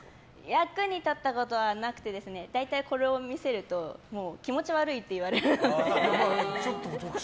役に立ったことはなくて大体これを見せると気持ち悪いって言われるので。